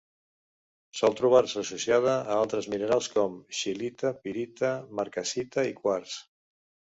Sol trobar-se associada a altres minerals com: scheelita, pirita, marcassita i quars.